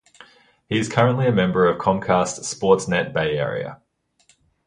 He is currently a member of Comcast SportsNet Bay Area.